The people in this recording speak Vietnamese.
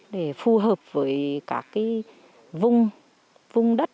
để phù hợp với các cái vung đất